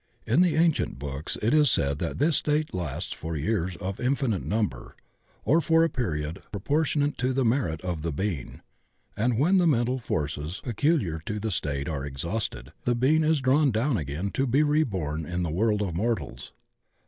In the ancient books it is said that this state lasts "for years of infinite number," or "for a period proportionate to the merit of the being"; and when the mental forces peculiar to the state are ex hausted, "the being is drawn down again to be reborn in the world of mortals."